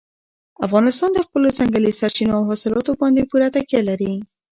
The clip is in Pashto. افغانستان د خپلو ځنګلي سرچینو او حاصلاتو باندې پوره تکیه لري.